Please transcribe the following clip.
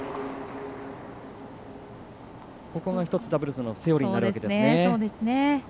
ここも１つ、ダブルスのセオリーになるわけですね。